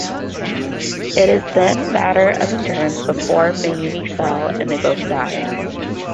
It is then matter of endurance before Mayumi fell and they both die.